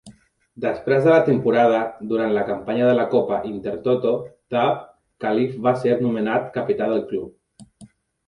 Després de la temporada, durant la campanya de la Copa Intertoto d'AaB, Califf va ser nomenat capità del club.